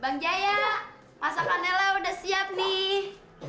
bang jaya masakan nela udah siap nih